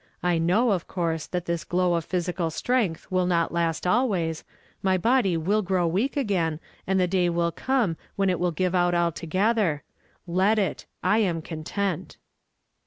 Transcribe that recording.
I know, of course, that this glow of physical strength will not last always ; my body will grow weak again, and the day will come when it will give out altogether; let it! I am content."